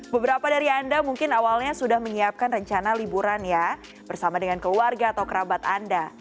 beberapa dari anda mungkin awalnya sudah menyiapkan rencana liburan ya bersama dengan keluarga atau kerabat anda